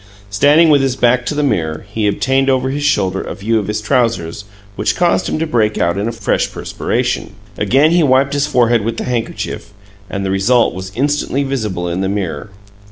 Standing with his back to the mirror, he obtained over his shoulder a view of his trousers which caused him to break out in a fresh perspiration. Again he wiped his forehead with the handkerchief, and the result was instantly visible in the mirror.